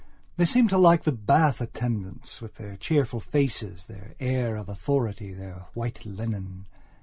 They seem to like the bath attendants, with their cheerful faces, their air of authority, their white linen.